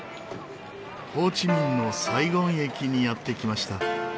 ホーチミンのサイゴン駅にやって来ました。